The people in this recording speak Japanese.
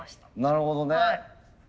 なるほどね。